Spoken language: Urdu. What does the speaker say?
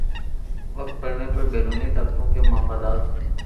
وقت پڑنے پر بیرونی طاقتوں کے مفادات